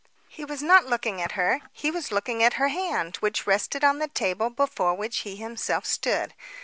He was not looking at her; he was looking at her hand which rested on the table before which he himself stood.